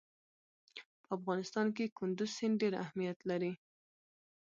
په افغانستان کې کندز سیند ډېر اهمیت لري.